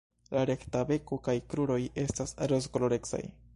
La rekta beko kaj kruroj estas rozkolorecaj.